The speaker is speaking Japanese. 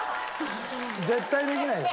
絶対できないよ。